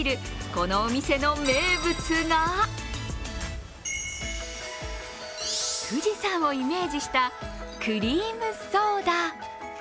このお店の名物が富士山をイメージしたクリームソーダ。